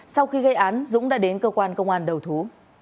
sau khi gây án dũng đã đến cơ quan công an đầu thú